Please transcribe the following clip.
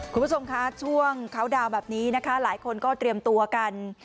คุณผู้ชมคะช่วงเขาดาวน์แบบนี้นะคะหลายคนก็เตรียมตัวกัน